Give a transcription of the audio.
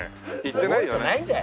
行ってないよね。